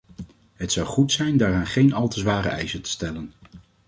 Het zou goed zijn daaraan geen al te zware eisen te stellen.